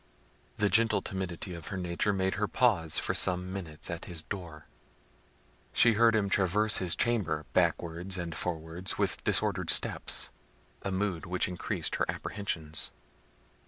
The gentle timidity of her nature made her pause for some minutes at his door. She heard him traverse his chamber backwards, and forwards with disordered steps; a mood which increased her apprehensions.